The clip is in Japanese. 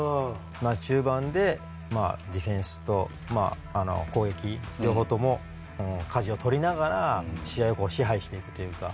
中盤でディフェンスと攻撃両方ともかじを取りながら試合を支配していくというか。